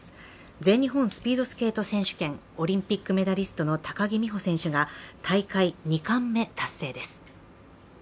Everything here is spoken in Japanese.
全日本スピードスケート選手権、オリンピックメダリストの高木美帆選手が大会２冠目達成です